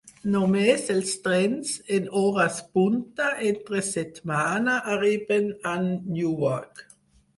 Només els trens en hores punta entre setmana arriben a Newark.